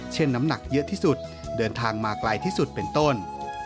น้ำหนักเยอะที่สุดเดินทางมาไกลที่สุดเป็นต้น